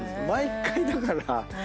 毎回だから。